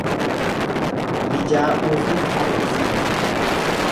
Mijaa'uufii argisiisa.